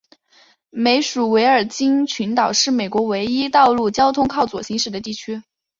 美属维尔京群岛是美国唯一道路交通靠左行驶的地区。